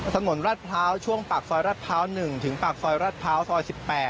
รัฐพร้าวช่วงปากซอยรัดพร้าว๑ถึงปากซอยรัดพร้าวซอย๑๘